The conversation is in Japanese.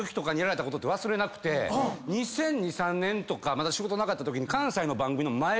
２００２２００３年とかまだ仕事なかったときに。